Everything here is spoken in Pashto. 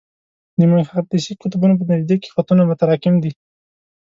د مقناطیسي قطبونو په نژدې کې خطونه متراکم دي.